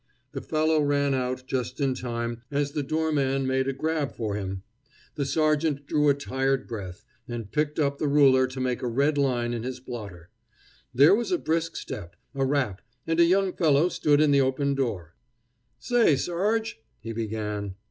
The fellow ran out just in time, as the doorman made a grab for him. The sergeant drew a tired breath and picked up the ruler to make a red line in his blotter. There was a brisk step, a rap, and a young fellow stood in the open door. "Say, serg," he began.